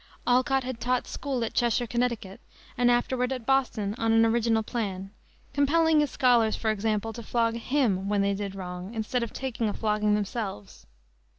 Alcott had taught school at Cheshire, Conn., and afterward at Boston on an original plan compelling his scholars, for example, to flog him, when they did wrong, instead of taking a flogging themselves.